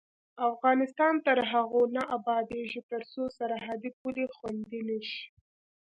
افغانستان تر هغو نه ابادیږي، ترڅو سرحدي پولې خوندي نشي.